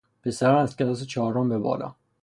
پسران از کلاس چهارم به بالا